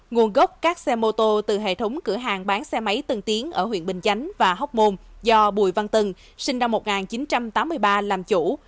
nguồn gốc các xe mô tô từ hệ thống cửa hàng bán xe máy tân tiến ở huyện bình chánh và hóc môn do bùi văn tân sinh năm một nghìn chín trăm tám mươi ba làm chủ